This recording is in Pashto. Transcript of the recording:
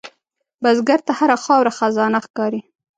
بزګر ته هره خاوره خزانه ښکاري